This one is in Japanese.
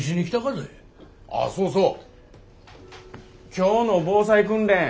今日の防災訓練